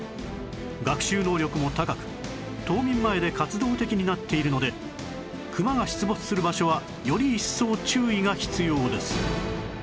学習能力も高く冬眠前で活動的になっているのでクマが出没する場所はより一層注意が必要です